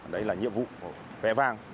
đấy là nhiệm vụ vẻ vang